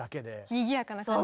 にぎやかな感じに。